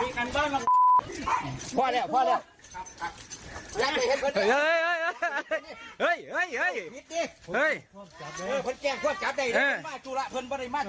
เอาคนนี้เอาคนนี้มาสู้เออ